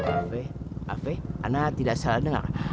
afai afai anak tidak salah dengar